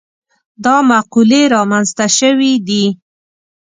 دا مقولې رامنځته شوي دي.